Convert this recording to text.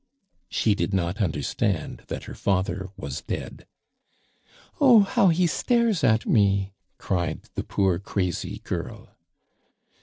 She did not understand that her father was dead. "Oh, how he stares at me!" cried the poor crazy girl.